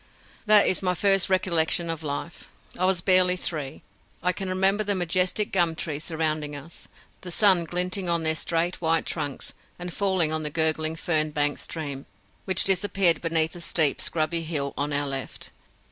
That is my first recollection of life. I was barely three. I can remember the majestic gum trees surrounding us, the sun glinting on their straight white trunks, and falling on the gurgling fern banked stream, which disappeared beneath a steep scrubby hill on our left.